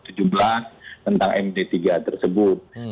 tentang md tiga tersebut